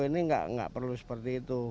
ini nggak perlu seperti itu